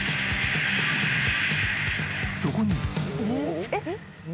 ［そこに］